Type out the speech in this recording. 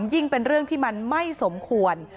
ยิ่งเป็นเรื่องที่มันไม่สมควร